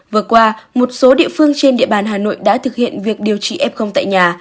vừa qua một số địa phương trên địa bàn hà nội đã thực hiện việc điều trị f tại nhà